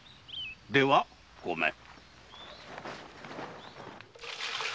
ではごめん。